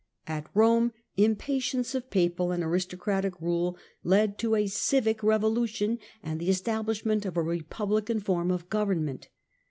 Rome At Eome, impatience of papal and aristocratic rule led to a civic revolution, and the establishment of a republican form of government.